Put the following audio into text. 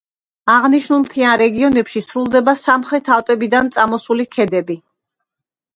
აღნიშნული მთიანი რეგიონებში სრულდება სამხრეთ ალპებიდან წამოსული ქედები.